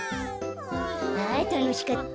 あたのしかった。